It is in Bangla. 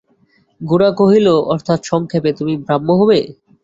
গোরা কহিল, অর্থাৎ, সংক্ষেপে, তুমি ব্রাহ্ম হবে?